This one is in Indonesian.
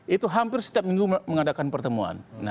itu hampir setiap minggu mengadakan pertemuan